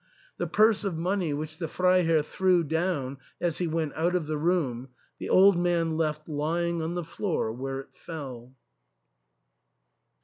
The purse of money which the Freiherr threw down as he went out of the room, the old man left lying on the floor where it fell.